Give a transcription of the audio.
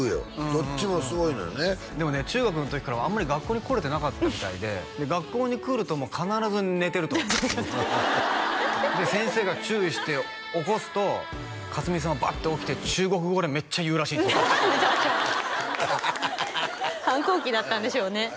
どっちもすごいのよねでもね中学の時からあんまり学校に来れてなかったみたいで学校に来るともう必ず寝てると先生が注意して起こすと佳純さんはバッて起きて中国語でめっちゃ言うらしいんですよちょいちょい反抗期だったんでしょうね